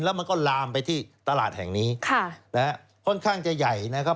แล้วมันก็ลามไปที่ตลาดแห่งนี้ค่ะนะฮะค่อนข้างจะใหญ่นะครับ